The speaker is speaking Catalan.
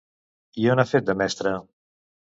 I on ha fet de mestra?